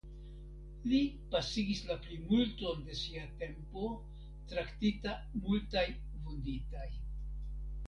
Li pasigis la plimulton de sia tempo traktita multaj vunditaj.